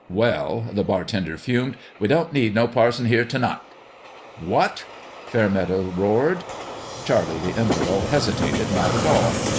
" Well," the bartender fumed, " we don't need no parson here t' night." " What!" Fairmeadow roared. Charlie the Infidel hesitated not at all.